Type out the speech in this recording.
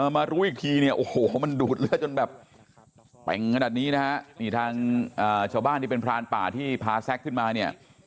มารู้อีกทีเนี่ยโอ้โหมันดูดเลือดจนแบบเปล่งขนาดนี้นะฮะนี่ทางชาวบ้านที่เป็นพรานป่าที่พาแซ็กขึ้นมาเนี่ย